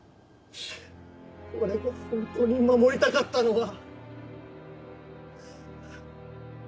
俺が本当に守りたかったのは！